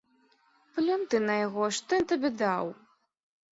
Плюнь ты на яго, што ён табе даў!